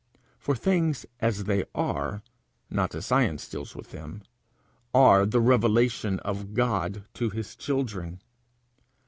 For things as they are, not as science deals with them, are the revelation of God to his children.